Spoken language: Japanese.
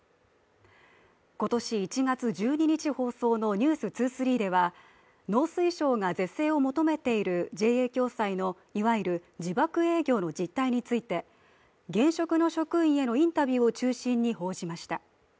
今年１月１２日放送の「ｎｅｗｓ２３」では農水省が是正を求めているＪＡ共済のいわゆる自爆営業の実態について現職の職員によるインタビューを中心に報じました。